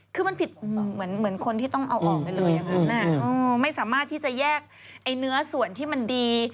คือมันผิดเหมือนคนที่ต้องเอาออกไปเลยอย่างนั้นไม่สามารถที่จะแยกไอ้เนื้อส่วนที่มันดี